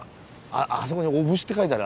あそこに「おぶし」って書いてある。